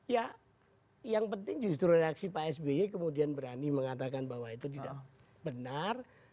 ya yang penting justru reaksi pak sby kemudian berani mengatakan bahwa itu tidak benar